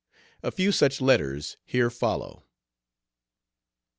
A few such letters here follow.